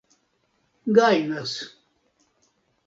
gajnas